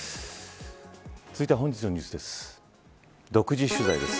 続いては本日のニュースです。